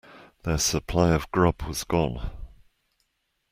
Their supply of grub was gone.